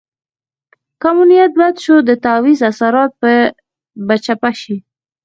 که مو نیت بد شو د تعویض اثرات به چپه شي.